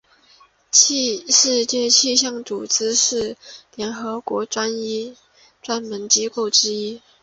世界气象组织是联合国的专门机构之一。